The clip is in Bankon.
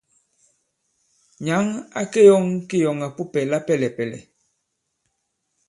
Nyǎŋ a keyɔ̂ŋ kiyɔ̀ŋàpupɛ̀ lapɛlɛ̀pɛ̀lɛ̀.